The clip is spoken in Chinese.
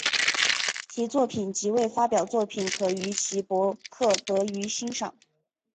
其作品及未发表作品可于其博客得于欣赏。